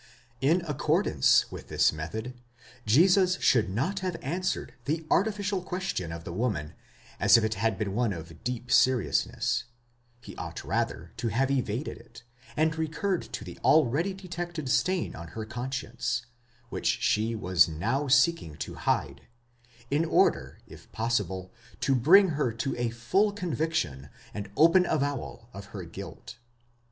In accordance with this method, Jesus should not have answered the artificial question of the woman as if it had been one of deep seriousness ; he ought rather to have evaded it, and recurred to the already detected stain on her conscience, which she was now seeking to hide, in order if possible to bring her to a full conviction and open avowal of her guilt.